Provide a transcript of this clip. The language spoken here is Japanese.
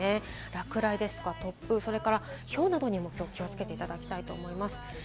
落雷ですとか、突風、ひょうなどにも気をつけていただきたいと思います。